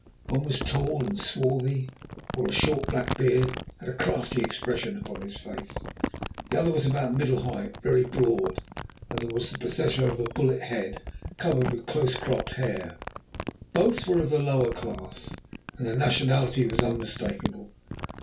One was tall and swarthy, wore a short black beard, and had a crafty expression upon his face. The other was about middle height, very broad, and was the possessor of a bullet head covered with close cropped hair. Both were of the lower class, and their nationality was unmistakable.